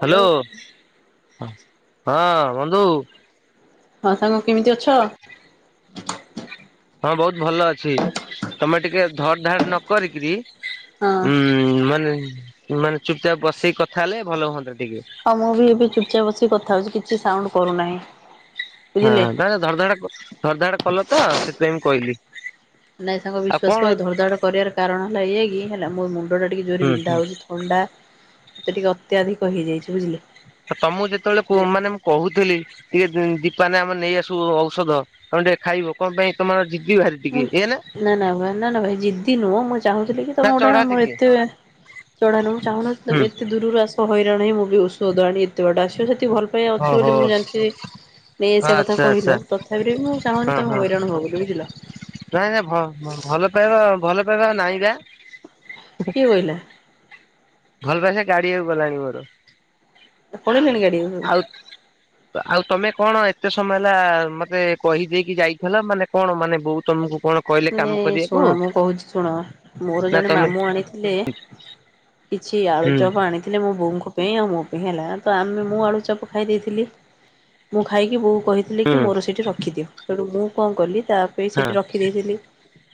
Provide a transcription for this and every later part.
Hello ହଁ ବନ୍ଧୁ - ହଁ ସାଙ୍ଗ କେମିତି ଅଛ? ହଁ ବହୁତ ଭଲ ଅଛି, ତମେ ଟିକେ ଧଡ ଧାଡ ନ କରିକିରି ହଁ ଉଁ ମାନେ ମାନେ ଚୁପଚାପ୍ ବସିକି କଥା ହେଲେ ଭଲ ହୁଅନ୍ତା ଟିକେ। ହଁ ମୁଁ ବି ଏବେ ଚୁପଚାପ ବସିକି କଥା ହଉଛି କିଛି ସାଉଣ୍ଡ କରୁନାହିଁ। ହଁ ବୁଝିଲେ। ଧରଧାଡ ଧରଧାଡ କଲ ତ ସେଥିପାଇଁ ମୁ କହିଲି। ନାଇଁ ସାଙ୍ଗ ଆଉ କଣ ବିଶ୍ୱାସ କର ଧର ଧାଡ଼ କରିବାର କାରଣ ହେଲା ଏୟା କି ହେଲା ମୋ ମୁଣ୍ଡ ଟା ଟିକେ ଜୋରେ ହୁଁ ହୁଁ ବିନ୍ଧା ହେଉଛି। ଅଣ୍ଡା ମତେ ଟିକେ ଅତ୍ୟଧିକ ହେଇଯାଇଛି ବୁଝିଲେ। ଆ ତମକୁ ଯେତେବେଳେ ମାନେ ମୁଁ କହୁଥିଲି ଟିକେ ଦୀପାନେ ଆମେ ନେଇ ଆସୁ ଔଷଧ ତମେ ଟିକେ ଖାଇବ କଁ ପାଇଁ ତମର ଜିଦିଭାରି। ମୁଁ ନା ନା ନା ନା ଭାଇ ଜିଦ୍ଦି ନୁହଁ ମୁଁ ଚାହୁଁଥିଲି କି ନା ତମ ଗୋଟା ଚଢା ମୋର ଟିକେ ଏତେ ଚଢା ନୁହ ମୁଁ ଚାହୁଁନଥିଲି ହୁଁ ଏତେ ଦୂରରୁ ଆସ ହଇରାଣ ହେଇ ମୋ ପାଇ ଓଷଧଆଣି ଏତେ ବାଟ ଆସିବ ଏତେ ଭଲ ପାଇବା ଅଛି ଓହୋ ବୋଲି ମୁଁ ଜାଣିଛି ନେଇ ଆସିବା କଥା ଆଚ୍ଛା ଆଚ୍ଛା କହିଲ ତଥାପି ବିରେ ମୁଁ ଚାହୁଁନି ତମେ ହଇରାଣ ହୁଅ ବୋଲି ବୁଝିଲ। ନା ନା ଭଲ ପାଇବା ଭଲ ପାଇବା ନାଇଁ ବା। କିଏ କହିଲା? ଭଲ ପାଇବା ଗାଡିଆକୁ ଗଲାଣି ମୋର। ପାଲେଇଲାନି ଗାଡିଆ କୁ ସବୁ। ଆଉ। ଆଉ ତମେ କଣ ଏତେ ସମୟ ହେଲା ମତେ କହିଦେଇକି ଯାଇଥିଲ ମାନେ କଣ ମାନେ ବୋଉ ତମକୁ କଣ କହିଲେ କାମ ମାନେ କରିବାକୁ ଶୁଣ ମୁଁ କହୁଛି ଶୁଣ ମୋର ନା ଜଣେ ତମେ ମାମୁଁ ଆଣିଥିଲେ କିଛି ହୁଁ ଆଳୁଚବ ଆଣିି ଥିଲେ ମୋ ବୋଉଙ୍କ ପାଇଁ ଆଉ ମୋ ପାଇଁ ହେଲା ତ ଆମେ ମୁଁ ଆଳୁ ଚାପ ଖାଇ ଦେଇଥିଲି। ମୁଁ ଖାଇକି ବୋଉ କହିଥିଲି ହୁଁ କି ମୋର ସେଇଠି ରଖିଦିଅ ତେଣୁ ମୁଁ କଣ କଲି ତା ପାଇଁ ହଁ। ସେଠି ରଖିଦେଇଥିଲି।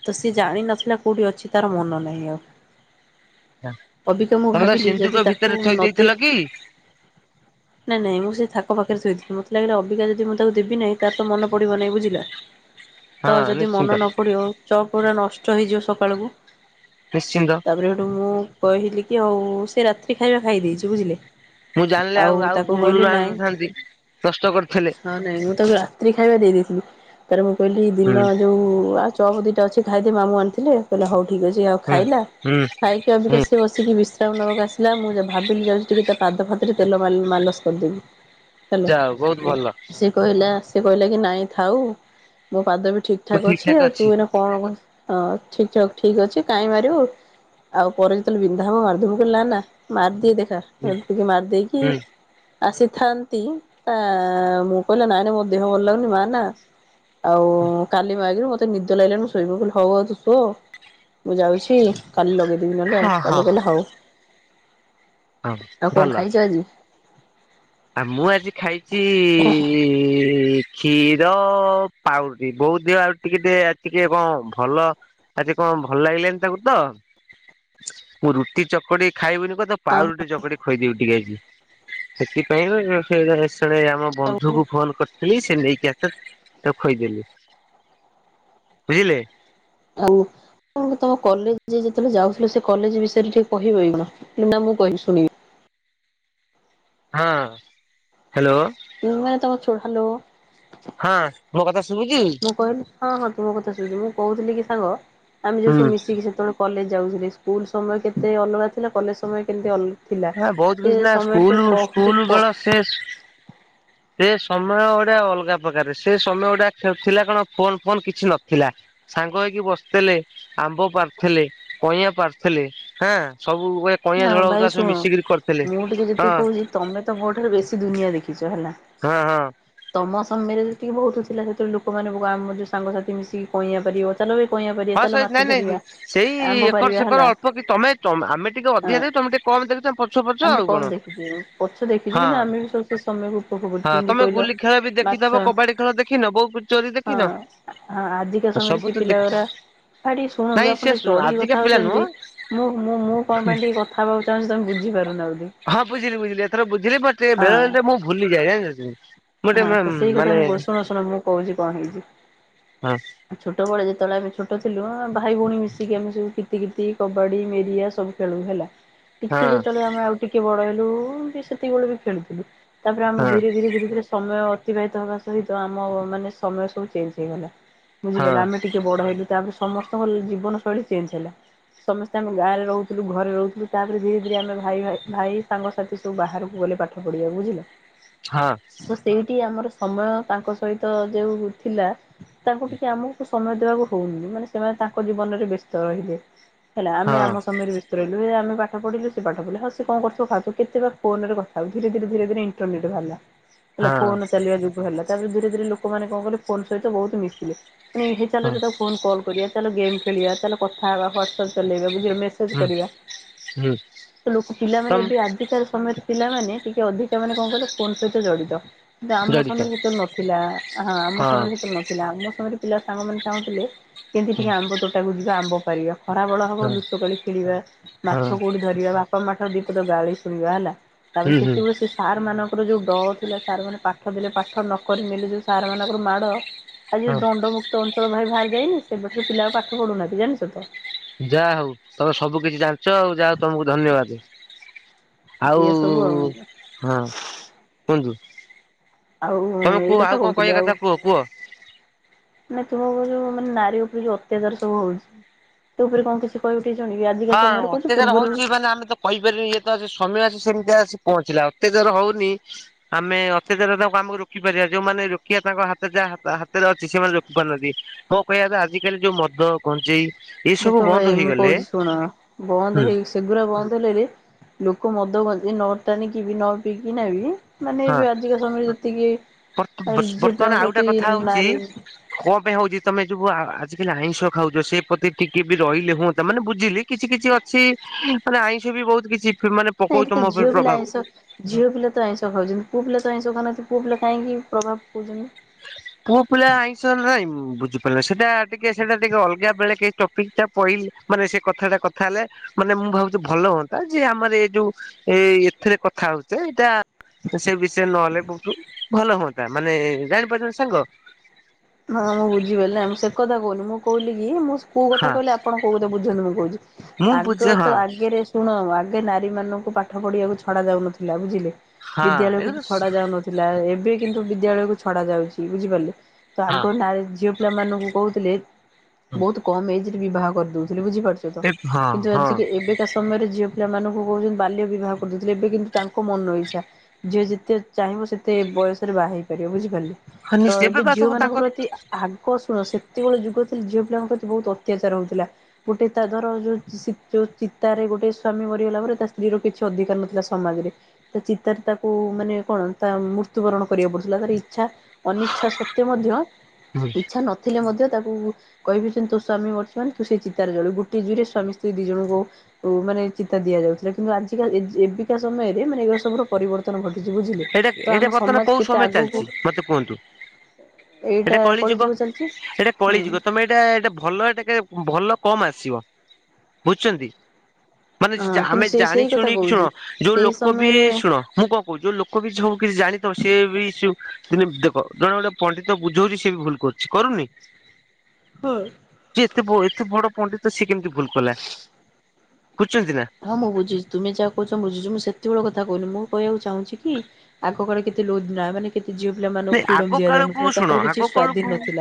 ତ ସିଏ ଜାଣିିନଥିଲା କୋଉଠି ଅଛି ତାର ମନ ନାହିଁ ଆଉ। ଅବିକା ମୁଁ ତମେ କ ଭାବିଲି ଯଦି ସିନ୍ଧୁଙ୍କ ତାକୁ ଭିତରେ ମୁଁ ଥୋଇ ନଦେଇ ଦେଇଥିଲ କି? ନାଇଁ ନାଇଁ ମୁଁ ସେ ଥାକ ପାଖରେ ଥୋଇଥିଲି ମତେ ଲାଗିଲା ଅବିକା ଯଦି ମୁଁ ତାକୁ ଦେବି ନାହିଁ ତାର ତ ମନ ପଡିବନାହିଁ ବୁଝିଲ। [inaudible] ତ ଯଦି ମନ ନିଶ୍ଚିନ୍ତ ନ ପଡିବ ଚପ ଉରା ନଷ୍ଟ ହେଇଯିବ ସକାଳକୁ। ନିଶ୍ଚିନ୍ତ। ତାପରେ ହେଠୁ ମୁଁ କହିଲି କି ହଉ ସେ ରାତିି ଖାଇବା ଖାଇ ଦେଇଛି ବୁଝିଲେ। ମୁଁ ଜାଣିଲି ଆଉ ଆଉ ତାକୁ କହିଲି ମୂଳରୁ ନାଇଁ ଆଣିନଥାନ୍ତି ନଷ୍ଟ କରିଥିଲେ। ହଁ ନାଇଁ ମୁଁ ତାକୁ ରାତ୍ରି ଖାଇବା ଦେଇ ଦେଇଥିଲି ତାର ମୁଁ କହିଲି ହୁଁ ଦିନ ଯୋଉ ଚପ ଦିଟା ଅଛି ଖାଇଦେ ମାମୁଁ ଆଣିଥିଲେ କହିଲା ହଉ ଠିକ୍ ଅଛି ଆଉ ହୁଁ ଖାଇଲା ହୁଁ ଖାଇ ସିଏ ଅବିକା ହୁଁ ଆଶି ବସିକି ବିଶ୍ରାମ ନବାକୁ ଆସିଲା ମୁଁ ଭାବିଲି ଯାଉଛି ଟିକେ ତା ପାଦ ଫାଦ ରେ ତେଲ ମାଲସ କରିଦେବି। ହେଲା। ଯାଉ ବହୁତ ଭଲ। ସେ କହିଲା ସେ କହିଲା କି ନାଇଁ ଥାଉ ମୋ ପାଦ ବି ଠିକ୍ ମୁଁ ଠାକ୍ ଠିକ ଅଛି ଠାକ ଆଉ ତୁ କଣ ଏଇନା କ ହଁ ଠିକ ଠକ ଠିକ ଅଛି କାଇଁ ମାରିବୁ। ଆଉ ପରେ ଯେତେବେଳେ ବିନ୍ଧା ହବ ମାରିଦବୁ ମୁଁ କହିଲି ନା ମାରିଦିଏ ଦେଖା ହୁଁ ଟିକେ ମାରିଦେଇକି ହୁଁ ଆସିଥାନ୍ତି ତା ମୁଁ କହିଲା ନାଇଁ ନାଇଁ ମୋ ଦେହ ଭଲ ଲାଗୁନି ମାର ନା। ଆଉ କାଲି ମାରିବୁ। ତେ ନିଦ ଲାଗିଲାଣି ମୁଁ ଶୋଇବି ମୁଁ କହିଲି ହଉହଉ ତୁୁ ସୋ ମୁଁ ଯାଉଛି କାଲି ଲଗେଇ ନହେଲେ ଆଉ ହଁ ହଁ ତାପରେ କହିଲା ହଉ, ହଁ ଆଉ କଣ ଭଲ। ଖାଇଛ ଆଜି? ଆ ମୁଁ ଆଜି ଖାଇଚି କ୍ଷୀର ପାଉରୁଟି ବୋଉତ ଦେହ ଆଉ ଟିକେ ଟିକେ କଣ ଭଲ ଆଜି କଣ ଭଲ ଲାଗିଲାନି ତାଙ୍କୁ ତ ମୁଁ ରୁଟି ଚକଡି ଖାଇବୁନି କ ହଁ ପାଉରୁଟି ଚକଟି ଖୋଇଦେବି ଟିକେ ଆଜି ସେଥିପାଇଁ ସେ ଳେ ଆମ ବନ୍ଧୁକୁ ଫୋନ କରିଥିଲି ସେ ନେଇକି ଆସ ତାକୁ କହିଦେଲି। ବୁଝିଲେ? ହଉ। ତମ କଲେଜ ଯେତେବେଳେ ଯାଉଥିଲ ସେ କଲେଜ ବିଷୟରେିକେ କହିବୁଣ ନା ମୁଁ କହିବି ଶୁଣିବି। ହଁ ହ୍ୟାଲୋ। ମାନେ ତମକୁ [unintelligible] ହଁ ମୋ କଥା ଶୁଭୁଛି। ମୁଁ କହିଲି ହଁ ହଁ ତୁମ କଥା ଶୁଣିଛୁ ମୁଁ କହୁଥିଲି କି ସାଙ୍ଗ ଆମେ ଯୋଉ ହୁଁ ସବୁ ମିଶିକି ସେତେବେଳେ କଲେଜ ଯାଉଥିଲି ସ୍କୁଲ୍ ସମୟ କେତେ ଅଲଗା ଥିଲା କଲେଜ ସମୟ କେମେ ଅଲା ହଁ ବହୁତ କିଛି ନା ସ୍କୁଲ ସ୍କୁଲ କ ବେଳ ଶେଷ ସେ ସମୟ ଗଟଆ ଅଲଗା ପ୍ରକାର ସେ ସମୟ ଗୁଟଆ ଖେଳୁଥିଲା କଣ ଫୋନ ଫୋନ କିଛି ନଥିଲା। ସାଙ୍ଗ ହେଇକି ବସିଥିଲେ। ଆମ୍ବ ପାରିଥିଲେ କଇଁଆଁ ପାରିଥିଲେ ହଁ ସବେଳେ କଇଁଆ ହଁ ଝଳ ହଉ ଭାଇ ତା ଶୁଣ ମିିକରି କରିଥିଲେ ମୁଁ ଟିକେ ହଁ। ଯେତିକି କହୁଛି ତମେ ତ ମୋ ଠାରୁ ବେଶୀ ଦୁନିଆ ଦେଖିଛ ହେଲା। ହଁ ହଁ। ତମ ସମୟରେ ଯେତିକି ବହୁତ ଥିଲା ସେତେବେଳେ ଲୋକ ମ ଆମ ଯୋଉ ସାଙ୍ଗସାଥି ମିଶିକି କହିବା ପାରିବ ଚାଲବେ। ହଁ ସେଇ ନାଇଁ ନାଇଁ ସେଇ ଆମ୍ବ ଏକର ପାରିବା ସେକର ହେଲା ଅଳ୍ପ କି ତମେ ଆମେ ଟିକେ ଅଧିକା ଦେଖ ତମେ ଟିକେ କମ ଦେଖ ତମେ ପଛ ପଛ ଆମେ ଆଉ କଣ କମ ଦେଖିଛୁ ପଛ ଦେଖିଛୁ ହଁ। କିନ୍ତୁ ଆମେ ବି ସବୁ ସେ ସମୟକୁ ଉପଭୋଗ କରୁଛୁ ହଁ ଯେମିତି ତମେ କହିଲ ଗୁଲି ଖେଳ ବି ମାଛ ଦେଖିଥବ କବାଡି ଖେଳ ଦେଖିନ ବୋ ଚୋରି ଦେଖ ହଁ କି ନା ସବୁ ତ ଦେଖ ଭାଠ ନାଇଁ ଶୁଣନ୍ତୁ ସେ ଆପଣ ଟ ଚଢେଇ ଆଜିକା କଥା ପିଲା ନୁହଁ ହଉଛନ୍ତି ମୁଁ ମୁଁ ମୁ ବୋଲି ହଁ ବୁଝିଲି ବୁଝିଲି ଏଥର ବୁଝିଲି ମତେ ହଁ ମୁଁ ଭୁଲିି ଆଜ୍ଞା ସେଥି ହଁ ତ ସେଇ କଥା ମୁଁ ଶୁଣ ଶୁଣ ମୁଁ କହୁଛି କଣ ହେଇଛି। ହଁ ଛୋଟବେଳେ ଯେତେବେଳେ ଆମେ ଛୋଟ ଥିଲୁ ଭାଇ ଭଉଣୀ ମିଶିକି ଆମେ ସବୁ। କିତି କିତି, କବାଡି, ମେରିଆ ସବୁ ଖେଳୁ ହେଲା ହଁ ଟିକେ ଯେତେବେଳେ ଆମେ ଅ ଟିକେ ବଡ ହେଲୁ ସେତିକିବେଳେ ବି ଖେଳୁଥିଲୁ ତାପରେ ଆମେ ହଁ ଧୀରେ ଧୀରେ ଧୀରେ ଧୀରେ ସମୟ ଅତିବାହିତ ହେବା ସହିତ ଆମ ମାନେ ସମୟ ସବୁ ଚେଞ୍ଜ ହେଇଗଲା। ବୁଝିପାରିଲେ ହଁ ଆମେ ଟିକେ ବଡ ହେଲୁ ତାପରେ ସମସ୍ତଙ୍କ ଜୀବନ ଶୈଳୀ ଚେଞ୍ଜ ହେଲା। ସମସ୍ତେ ଆମେ ଗାଁରେ ରହୁଥିଲୁ ଘରେ ରହୁଥିଲୁ ତାପରେ ଧୀରେ ଧୀରେ ଆମେ ଭାଇ ଭା ଭାଇ ସାଙ୍ଗସାଥି ସ ତୁ ବାହାରକୁ ଗଲେ ପାଠ ପଢ଼ିବା ବୁଝିଲ। ହଁ। ତୁ ସେଇଠି ଆମର ସମୟ ତାଙ୍କ ସହିତ ଯୋଉ ଥିଲା ତାଙ୍କୁ ଟିକେ ଆମକୁ ସମୟ ଦେବାକୁ ହଉନି ମାନେ ସେମାନେ ତାଙ୍କ ଜୀବନରେ ବ୍ୟସ୍ତ ରହିଲେ। ହେଲା ଆମେ ହଁ। ଆମ ସମୟରେ ବ୍ୟ ରେଲୱ ଆମେ ପାଠ ପଢ଼ିଲୁ ସେ ପାଠ ପଢିଲ ହଉ ସେ କଣୁ ଖାଉଥିବ କେତେ ବା ଫୋନରେ କଥାହଉଥିଲୁ ଧୀରେ ଧରେ ଇଣ୍ଟରନେଟ ବାହାରିଲା। ହେଲା ହଁ ଫୋନ ଚାଲିବା ଯୁଗ ହେଲା ତାପରେ ଧୀରେ ଧୀରେ ଲୋକମାନେ କଣ କଲେ ଫୋନ ସହିତ ବହୁତ ମିଶିଲେ। ମାନେ ହେ ଚାଲ ହଁ ତାକୁ ଫୋନ କଲ କରିବା ଚାଲ ଗେମ୍ ଖେଳିବା ଚାଲ କଥା ହେବା ହ୍ୱାଟସ ଚଲେଇବା ବୁଝିଲ ମସେଜ ହୁଁ କରିବା ହୁଁ ଲୋକ ପିଲାମାନେ ତମ ଏବେ ଏଠି କାର ସମୟରେ ପିଲାମାନେ ଟିକେ ଅଧିକ ମାନେ କଣ କଲେ ଫୋନ ସହିତ ଜଡିତ। ଆମ ଜଡିତ ସମୟରେ ଯେତେବେଳେ ନଥିଲା ହଁ ଆମ ସମୟରେ ସେତେବେଳେ ନଥିଲା ଆମ ସମୟରେ ପିଲା ସାଙ୍ଗମାନେ ଚାହୁଁଥିଲେ କେମିତି ହଁ ଟିକେ ଆମ୍ବ ତୋଟାକୁ ଯିବା ଆମ୍ବ ପାରିବା। ଖରା ବେଳ ହବ ହଁ ଲୁଚକାଳି ଖେଳିବା ହଁ ମାଛ କୋଠି ଧରିବା ବାପା ମାଠାରୁ ଦିପଦ ଗାଳି ଶୁଣିବା ହେଲା। ତାପରେ ହୁଁ ହୁଁ। ସେତେବେଳେ ସେ ସାର୍ ମାନଙ୍କର ଯୋଉ ଡର ଥିଲା ସାର୍ ମାନେ ପାଠ ଦେଲେ ପାଠ ନକରି ନେଲେ ଯୋଉ ସାର୍ ମାନଙ୍କର ମାଡ ଆଜି ହଁ ଦଣ୍ଡମୁକ୍ତ ତ ଅଞ୍ଚଳ ଭାଇ ବାହାର ଯାଇନି ସେବେଠାରୁ ପିଲା ଆଉ ପାଠ ପଢୁନାହାନ୍ତି ଜାଣଛ ତ। ଯାହା ହଉ ତମେ ସବୁ କିିଛି ଜାଣିଛ ଆଉ ଯାହା ହଉ ତମକୁ ଧନ୍ୟବାଦ। ଆଉ ଏଇଆ ସବୁ ଆଉ ହଁ କୁହନ୍ତୁ। ଆଉ ତମେ ଏଇ କୁହ କଥା ଆଉ କଣ କହୁଥିଲି କହିବା ଆଉ କଥା କୁହ କୁହ। ମାନେ ତୁ ଯୋଉ ମାନେ ନାରୀ ଉପରେ ଯୋଉ ଅତ୍ୟାଚାର ସବୁ ହଉଚି ସେ ଉପରେ କଣ କିଛି କଉଠେଇଛନ୍ତି ଆଜିକା ସମୟରେ କହୁଚି ପୂର୍ବରୁ କହିପାରିନି ଇଏ ତ ସମୟ ଅଛି ସେମିତି ଆସି ପହଞ୍ଚିଲା ଅତ୍ୟାଚାର ହଉନି ଆମେ ଅତ୍ୟାଚାର ତାଙ୍କୁ ଆମକୁ ରୋକିପାରିବା ଯୋଉମାନେ ରୋକିବା ତାଙ୍କ ହାତରେ ଯା ହାତରେ ଅଛି ସେମାନେ ରୋକି ପାରୁନାହାନ୍ତି। ମୋ କହିବା କଥା ଆଜିକାଲି ଯୋଉ ମଦ, ଗଞ୍ଜେଇ ଏଇ ଦେଖ ସବୁ ଭାଇ ବନ୍ଦ ମୁଁ ହେଇଗଲେ କହୁଛି ଶୁଣ ବନ୍ଦ ହୁଁ ହେଇସି ସେଗୁଡ଼ା ବନ୍ଦ ହେଲେରେ ଲୋକ ମଦ, ଗଞ୍ଜେଇ ନ ଟାଣିକି ବି ନ ପିଇକିନା ବି ମାନେ ହଁ ଏବେ ଆଜିକା ସମୟରେ ଯେତିକି ଝିଅ ବର୍ତ୍ତମାନ ପିଲାଙ୍କ ଆଉ ଗୋଟେ ପ୍ରତି କଥା ହଉଛି ନାରୀ କଣ ପାଇଁ ହଉଚି ତମେ ଯୋ ଆଜିକାଲି ଆଇଁଷ ଖାଉଛ ସେ ପ୍ରତି ଟିକେ ବି ରହିଲେ ହୁଅନ୍ତା ମାନେ ବୁଝିଲି। କିଛି କିଛି ଅଛି ମାନେ ଆଇଁଷ ବି ବହୁତ କିଛି ଫେ ମାନେ ପକଉଛି ନାଇଁତ ତମ ଏଠି ଉପରେ ଝିଅ ପ୍ରଭାବ ପିଲା ଆଇଁଷ ଝିଅ ପିଲା ତ ଆଇଁଷ ଖାଉଚନ୍ତି ପୁଅ ପିଲା ତ ଆଇଁଷ ଖାଉନାନ୍ତି ପୁଅ ପିଲା କାହିଁକି ପ୍ରଭାବ ପକଉଚନ୍ତି। ହ। ପୁଅ ପିଲା ଆଇଁଷ ନା ହିଁ ବୁଝିପାରିଲ ସେଟା ଟିକେ ସେଟା ଟିକେ ଅଲଗା ବେଳେ କେ ଟପିକି ଟା ପଇଲେ ମାନେ ସେ କଥା ଟା କଥା ହେଲେ ମାନେ ମୁଁ ଭାବୁଛି ଭଲ ହୁଅନ୍ତା ଯେ ଆମର ଏଇ ଯୋଉ ଏଇ ଏଥିରେ କଥା ହଉଚେ ଏଇଟା ସେ ବିଷୟରେ ନହେଲେ ବହୁତ ଭଲ ହୁଅନ୍ତା ମାନେ ଜାଣିପାରୁଚ ନା ସାଙ୍ଗ। ହଁ ମୁଁ ବୁଝିଗଲି ମୁଁ ସେ କଥା କହୁନି ମୁଁ କହୁିଲି କି ମୁଁ କୋଉ କଥା ହଁ କହିଲେ ଆପଣ କୋଉ କଥା ବୁଝନ୍ତୁ ମୁ କହୁଚି ମୁଁ ଆଗ ବୁଝେ ହଁ ତ ଆଗରେ ଶୁଣ ଆଗେ ନାରୀ ମାନଙ୍କୁ ପାଠ ପଢିବାକୁ ଛଡା ଯାଉନଥିଲା ବୁଝିଲେ ହଁ ଏ ବିଦ୍ୟାଳୟକୁ ହଁ ଛଡା ଯାଉନଥିଲାଲ। ଥିଲା ଏବେ କିନ୍ତୁ ବିଦ୍ୟାଳୟକୁ ଛଡା ଯାଉଚି ବୁଝିପାରିଲେ। ତ ଆଗ ନାଁରେ ଝିଅ ପିଲାମାନଙ୍କୁ କହୁଥିଲେ ବହୁତ କମ୍ ଏଜରେ ବିବାହ କରିଦଉ ବୁଝିପାରୁଚ ତ ହଁ କିନ୍ତୁ ହଁ ଆଜି ଏବେ ଆଗକା ସମୟରେ ଝିଅ ପିଲା ମାନଙ୍କୁ କହୁଚନ୍ତି ବାଲ୍ୟ ବିବାହ କରିଦଉଥିଲେ। ଏବେ କିନ୍ତୁ ତାଙ୍କ ମନ ଇଛା। ଝିଅ ଯେତେ ଚାହିଁବ ସେତେ ବୟସରେ ବାହା ହେଇ ପାରିବ ବୁଝିପାରିଲେ। [unintelligible] ମାନଙ୍କ ପ୍ରତି ଆଗ ଶୁଣ ସେତେବେଳେ ଯୁଗ ଥିଲେ ଝିଅ ପିଲାଙ୍କ ପ୍ରତି ବହୁତ ଅତ୍ୟାଚାର ହଉଥିଲା। ଗୋଟେ ତା ଧର ଯୋଉ ଯୋଉ ଚିତାରେ ଗୋଟେ ସ୍ଵାମୀ ମରିଗଲା ପରେ ତା ସ୍ତ୍ରୀ ର କିଛି ଅଧିକାର ନଥିଲା ସମାଜରେ ତା ଚିତାରେ ତାକୁ ମାନେ କଣ ତା ମୃତ୍ୟୁବରଣ କରିବାକୁ ପଡୁଥିଲା ତାର ଇଛା ଅନିଚ୍ଛା ସତ୍ତ୍ୱେ ମଧ୍ୟ ଇଚ୍ଛା ନଥିଲେ ମଧ୍ୟ ତାକୁ କହିବେ ଯେ ତୋ ସ୍ଵାମୀ ମରିଚି ମାନ ତୁ ସେ ଚିତାରେ ଜଳୁ ଗୋଟ ଜୁରେ ସଵାମୀ ସ୍ତ୍ରୀ ଦି ଜଣଙ୍କୁ ମାନେ ଚିତା ଦିଆଯାଉଥିଲା କିନ୍ତୁ ଆଜିକା ଏବିକା ସମୟରେ ମାନେ ଏ ସବୁର ପରିବର୍ତ୍ତନ କରି ଝିଲେ ଏଇଟା ତ ଏଇଟା ଆମ ବର୍ତ୍ତମାନ ସମାଜ କୋଉ କେତେ ସମୟ ଆଗକୁ ଚାଲିଛି ମତେ କୁହନ୍ତୁ ଏଇଟା କଳି ଯିବ ଚାଲିଚି ଏଇଟା ହୁଁ କଳିଯୁଗ ତମେ ଏଇଟା ଏଇଟା ଭଲଟା ଭଲ କମ ଆସିବ ବୁଝୁଚନ୍ତି ମାନେ ହଁ କିନ୍ତୁ ଆମେ ସେଇ ସେଇ ଜାଣି କଥା ଶୁଣ ଶୁଣ କହୁଛି ଯୋଉ ସେଇ ଲୋକ ବି ସମୟରେ ଶୁଣ ମୁଁ କଣ କହୁ ଯୋଉ ଲୋକ ବବଉ କିଛି ଜାଣିଥ ସିଏ ବି ଦ ଦେଖ ଜଣେ ଗ ପଣ୍ଡିତ ବୁଝଉଚି ସଏ ବି ଭୁଲ କରୁଚି। କରୁନି? ହୁଁ। ଯିଏ ଏତେ-ଏତେ ବଡ ପଣ୍ଡିତ ସ କେମ୍ତି ଭୁଲ୍ କଲା, ବୁଝୁଚନ୍ତି ନା। ହଁ ମୁଁ ବୁଝୁଚି ତୁମେ ଯାହା କହୁଚ ମୁଁ ବୁଝୁଚି, ମୁଁ ସେତିବେଳେ କଥା କହୁନି ମୁଁ କହିବାକୁ ଚାହୁଁଚି କି ଆଗ [unintelligible] କେତେ ଲୋ [unintelligible] ମାନେ କେତେ ଝିଅ ପିଲା ମାନଙ୍କୁ ନାଇଁ ଫ୍ରିଡମ ଆଗ କାଳକୁ ଦିଆଯାଉନଥିଲା ଶୁଣ ତାଙ୍କର କିଛି ଆଗ ସ୍ଵାଧୀନ କାଳକୁ ନଥିଲା।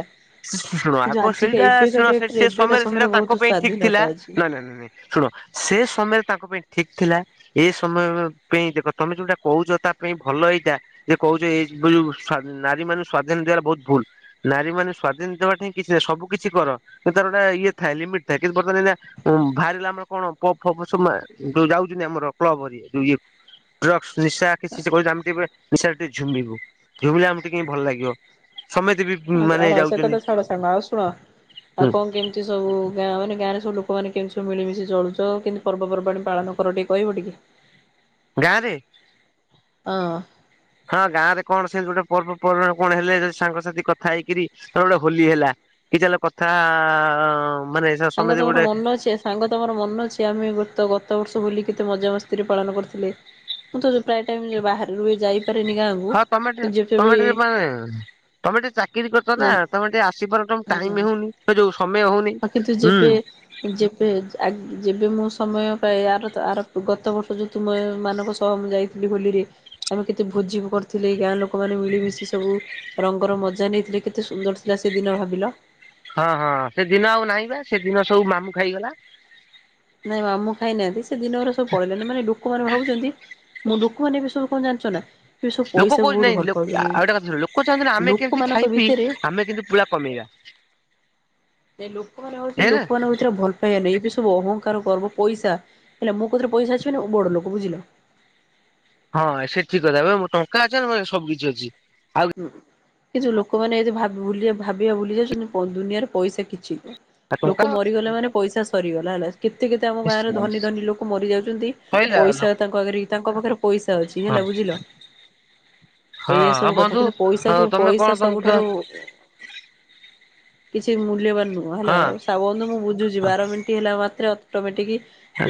ଶୁଣ କିନ୍ତୁ ଆଗ ଆଜିକା ସେଇଟା ଏବେକା ଶୁଣ ଡେଟ ରେ ସେ ଏବେକା ସମୟରେ ସେଇଟା ତାଙ୍କ ବହୁତ ପାଇଁ ଠିକ୍ ଥିଲା, ସ୍ଵାଧୀନତା ଅଛି। ନାଇଁ-ନାଇଁ-ନାଇଁ-ନାଇଁ ଶୁଣ ସେ ସମୟରେ ତାଙ୍କ ପାଇଁ ଠିକ୍ ଥିଲା। ଏ ସମୟ ପେଇଁ ଦେଖ ତମେ ଯୋଉଟା କହୁଚ ତା ପାଇଁ ଭଲ ଏଇଟା, ଯେ କହୁଚ ଏବେ ଯୋଉ ସ୍ୱା ନାରୀ ମାନଙ୍କୁ ସ୍ୱାଧୀନ ଦେବାଟା ବହୁତ୍ ଭୁଲ୍। ନାରୀ ମାନେ ସ୍ୱାଧୀନ ଦେବା ଠେଇଁ କିଛି ନାହିଁ, ସବୁ କିଛି କର କିନ୍ତୁ ତାର ଗୋଟା ଇଏ ଥାଏ ଲିମିଟ୍ ଥାଏ କିନ୍ତୁ ବତ୍ତମାନ୍ [unintelligible] ଉଁ ବାହାରିଲା ଆମର କଣ ପପ୍ ଫପ୍ [unintelligible] ଯୋଉ ଯାଉଚନ୍ତି ଆମର କ୍ଲବ୍ ହେରିକା ଯୋଉ ଇଏକୁ ଡ୍ରକ୍ସ ନିଶା [unintelligible] ସିଏ [unintelligible] ଆମେ କେବେ ନିଶାରେ ଟିକେ ଝୁମିବୁ। ଝୁମିଲେ ଆମକୁ ଟିକେ ଭଲ ଲାଗିବ, ସମେତେ ବି ଛାଡ ମାନେ ସେ ଯାଉଚନ୍ତି [inaudible] ଆଉ କଣ କେମ୍ତି ସବୁ ଗାଁ ମାନେ ଗାଁରେ ସବୁ ଲୋକମାନେ କେମ୍ତି ସବୁ ମିଳିମିଶି ଚଳୁଚ କି [unintelligible] ପର୍ବପର୍ବାଣି ପାଳନ କର ଟିକେ କହିବ ଟିକେ? ଗାଁରେ ଅ ହଁ ଗାଁରେ କଣ ସେମ୍ତି ଗୋଟେ ପର୍ବପର୍ବାଣୀ କଣ ହେଲେ ଯଦି ସାଙ୍ଗସାଥି କଥା ହେଇକିରି [unintelligible] ଗୋଟେ ହୋଲି ହେଲା କି ଚାଲ କଥା ମାନେ ସାଙ୍ଗ ସମସ୍ତେ ତମର ଗୋଟେ ମନ ଅଛି [unintelligible] ସାଙ୍ଗ ତମର ମନ ଅଛି ଆମେ ଗତ-ଗତ ବର୍ଷ ହୋଲି କେତେ ମଜା ମସ୍ତିରେ ପାଳନ କରିଥିଲେ? ମୁଁ ତ ଯୋଉ ପ୍ରାୟ ଟାଇମ୍ ବାହାରୁ ବି ଯାଇପାରେନି ଗାଁକୁ। ହଁ ତମେ ଟିକେ ଯେବେ ତମେ ଟିକେ ବି [unintelligible] ତମେ ଟିକେ ଚାକିରି କରିଚ ନା ତମେ ଟିକେ ଆସିବାର ତମ ଟାଇମ୍ ହଉନି, ସେ ଯୋଉ ସମୟ ହଉନ। ଆଉ କିନ୍ତୁ ଯେବେ ଯେବେ ଆ ଯେବେ ମୁଁ ସମୟ ପାଏ, ଆର ତ ଆର ଗତ ବର୍ଷ ଯୋଉ ତୁମ ମାନଙ୍କ ସହ ମୁଁ ଯାଇ ହୋଲିରେ ଆମେ କେତେ ଭୋଜି କରିଥିଲେ ଗାଁ ଲୋକମାନେ ମିଳିମିଶି ସବୁ ରଙ୍ଗର ମଜା ନେଇଥିଲେ, କେତେ ସୁନ୍ଦର ଥିଲା ସେଦିନ ଭାବିଲ। ହଁ-ହଁ ସେଦିନ ଆଉ ନାହିଁ ବା ସେଦିନ ସବୁ ମାମୁଁ ଖାଇଗଲା। ନାଇଁ ମାମୁଁ ଖାଇନାହାନ୍ତି ସେ ଦିନ ଗୁରା ସବୁ ପଳେଇଲାଣି, ମାନେ ଲୋକ ମାନେ ଭାବୁଚନ୍ତି ମୁଁ [unintelligible] ଏବେ ସବୁ କଣ ଜାଣିଚ ନା ଏବେ ସବୁ ଲୋକ ପଇସାକୁ କହୁଚନ୍ତି ବହୁତ ଭଲ ନାଇଁ ପାଉଛନ୍ତି ଆଉ ଗଟେ କଥା ଲୋକ ଚାହୁଁଚନ୍ତି ଆମେ କେମ୍ତି ଲୋକମାନଙ୍କ ଖାଇ ପିଇ ଭିତରେ ଆମେ କିନ୍ତୁ ପୁଳା କମେଇବା। ନାଇଁ ଲୋକମାନେ [unintelligible] ହେଲା ଲୋକ ମନଙ୍କ ଭିତରେ ଭଲ। [unintelligible] ଏବେ ସବୁ ଅହଙ୍କାର ଗର୍ବ ପଇସା ହେଲା, ମୋ କତିରେ ପଇସା ଅଛି ମାନେ ମୁଁ ବଡ ଲୋକ ବୁଝିଲ। ହଁ ସେଟା ଠିକ୍ କଥା [unintelligible] ଟଙ୍କା ଅଛି ମାନେ ସବୁ କିଛି ଅଛି। ଆଉ ଏଯୋଉ ଲୋକମାନେ ଏଯୋଉ ଭା ଭୁଲିଆ ଭାବିବା ଭୁଲି ଯାଉଚନ୍ତି, ଦୁନିଆରେ ପଇସା କିଛି ନୁହଁ। ଟଙ୍କା ଲୋକ ମରିଗଲେ ମାନେ ପଇସା ସରିଗଲା ହେଲା, କେତେ-କେତେ ଆମ ଗାଁରେ ନିଶ୍ଚିନ୍ତ ନିଶ୍ଚିନ୍ତ। ଧନୀ-ଧନୀ ଲୋକ ମରି ଯାଉଚନ୍ତି କହିଲା ପଇସା ଲୋକ ତାଙ୍କ ଆଗରେ ତାଙ୍କ ପାଖରେ ପଇସା ଅଛି ହଁ ହେଲା ବୁଝିଲ। ଏଇଆ ହଁ ସବୁ କଥା [unintelligible] କିନ୍ତୁ ପଇସାକୁ ତମେ କଣ ପଇସା ତମକୁ ସବୁଠାରୁ କିଛି ମୂଲ୍ୟବାନ ନୁହଁ ହେଲା, ହଁ ସା ବନ୍ଧୁ ମୁଁ ବୁଝୁଚି ବାର ମିନ୍ ହେଲା ମାତ୍ରେ ଅଟୋମେଟିକି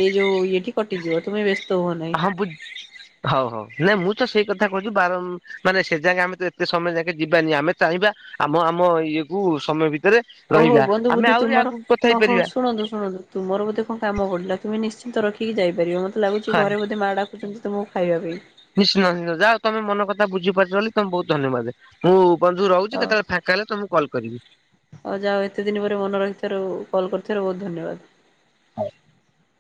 ଏଇ ଯୋଉ ଇଏଠି କଟିଯିବ, ତୁମେ ବ୍ୟସ୍ତ ହୁଅ ନାହିଁ। [unintelligible] ହଉ-ହଉ ନାଇଁ ମୁଁ ତ ସେଇ କଥା କହୁଚି ବାର ମାନେ ସେ ଯାେକେ ଆମେ ତ ଏତେ ସମୟ ଯାକେ ଯିବାନି, ଆମେ ଚାହିଁବା ଆମ-ଆମ ଇଏ କୁ ସମୟ ବି ରେ ଓହୋ ରହିବା ବନ୍ଧୁ ଆମେ ବୁଦ୍ଧି ଆହୁରି ତୁମର ଆଗୁକୁ କଥା ଓହୋ ହେଇପାରିବା। ଶୁଣନ୍ତୁ ଶୁଣନ୍ତୁ ତୁମର ବୋଧେ କଣ କାମ ପଡିଲା ତୁମେ ନିଶ୍ଚିନ୍ତ ରଖିକି ଯାଇପାରିବ ମତେ ଲାଗୁଛି ହଁ ଘରେ ବୋଧେ ମା ଡା କୁଛନ୍ତି ତୁମକୁ ଖାଇବା ପାଇଁ। ନିଶ୍ଚିନ୍ତ ନିଶ୍ଚିନ୍ତ ଯା ଉ ତମେ ମନ କଥା ବୁଝି ପାରିଛ ବୋଲି ତମେ ବହୁତ ଧନ୍ୟବାଦେ। ମୁଁ ବନ୍ଧୁ ରହୁଛି କେତେବେଳେ ଫାଙ୍କା ହେଲେ ତମକୁ କଲ୍ କରିବି। ଅ ଯା ହଉ ଏତେ ଦିନ ପରେ ମନେ ରଖିଥିବାରୁ କଲ୍ କରିଥିବାରୁ ବହୁତ ଧନ୍ୟବାଦ। [unintelligible]